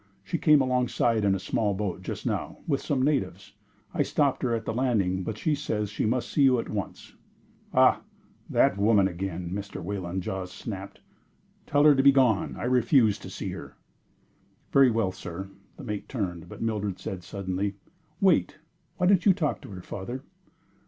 She came alongside in a small boat, just now, with some natives. I stopped her at the landing, but she says she must see you at once." "Ah! That woman again." Mr. Wayland's jaws snapped. "Tell her to begone. I refuse to see her." "Very well, sir!" The mate turned, but Mildred said, suddenly: "Wait! Why don't you talk to her, father?"